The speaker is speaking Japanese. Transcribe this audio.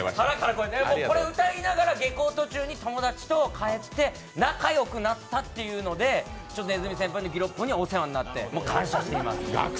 これ、歌いながら下校途中に友達と帰って仲良くなったってので鼠先輩の「六本木ＧＩＲＯＰＰＯＮ」にはお世話になって感謝しています。